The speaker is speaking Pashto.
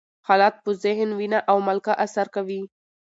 حالات په ذهن، وینه او ملکه اثر کوي.